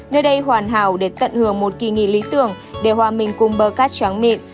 nơi đây hoàn hảo để tận hưởng một kỳ nghỉ lý tưởng đều hoa mình cùng bơ cát trắng mịn